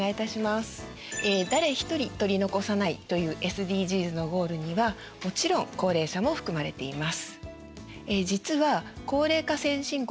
誰ひとり取り残さないというＳＤＧｓのゴールにはもちろん高齢者も含まれています。